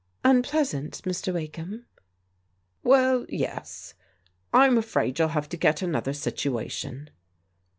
*' Unpleasant, Mr. Wakeham? "" Well, yes. I'm afraid you'll have to get another at uation."